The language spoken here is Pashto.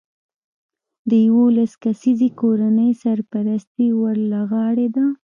د یولس کسیزې کورنۍ سرپرستي ور له غاړې ده